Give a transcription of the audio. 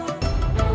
nih aku tidur